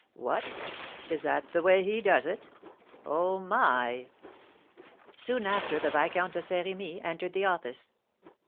"What! is that the way he does it? Oh, my!" Soon after the Viscount de Saint Remy entered the office.